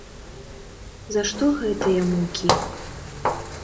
За што гэтыя мукі?